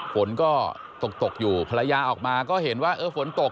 ฝนก็ตกตกอยู่ภรรยาออกมาก็เห็นว่าเออฝนตก